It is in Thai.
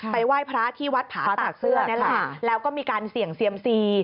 ไหว้พระที่วัดผาตากเสื้อนี่แหละแล้วก็มีการเสี่ยงเซียมซี